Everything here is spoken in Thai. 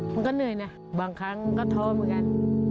มันก็เหนื่อยนะบางครั้งก็ท้อเหมือนกัน